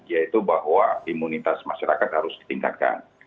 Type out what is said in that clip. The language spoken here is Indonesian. yaitu bahwa imunitas masyarakat harus ditingkatkan